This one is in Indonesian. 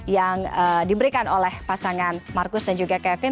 yang diberikan oleh pasangan marcus dan juga kevin